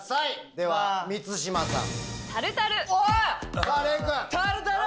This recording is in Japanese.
では満島さん。